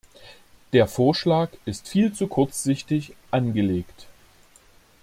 Der Vorschlag ist viel zu kurzsichtig angelegt.